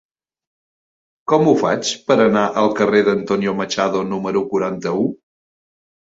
Com ho faig per anar al carrer d'Antonio Machado número quaranta-u?